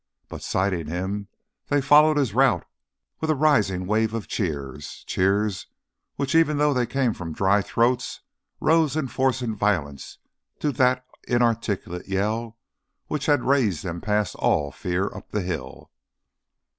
But, sighting him, they followed his route with a rising wave of cheers cheers which even though they came from dry throats rose in force and violence to that inarticulate Yell which had raised them past all fear up the hill.